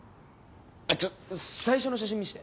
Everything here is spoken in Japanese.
ちょっ最初の写真見して。